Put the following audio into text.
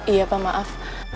iya pak maaf